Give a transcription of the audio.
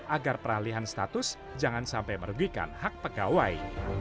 agar peralihan status jangan sampai merugikan hak pegawai